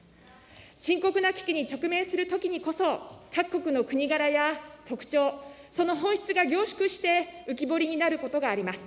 深刻な危機に直面するときにこそ、各国の国柄や特徴、その本質が凝縮して浮き彫りになることがあります。